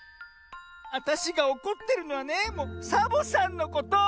わたしがおこってるのはねサボさんのこと。